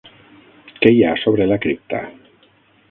Què hi ha sobre la cripta?